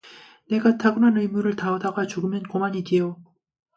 내가 타고난 의무를 다허다가 죽으면 고만 이지요.